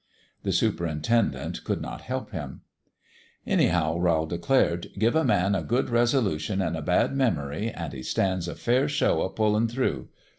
The superintendent could not help him. " Anyhow," Rowl declared, " give a man a good resolution an' a bad memory an' he stands a fair show o' pullin' through.